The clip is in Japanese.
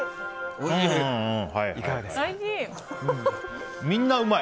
おいしい！